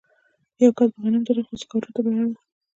یوه کس به غنم درلودل خو سکارو ته به اړ و